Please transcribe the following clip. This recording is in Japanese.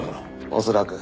恐らく。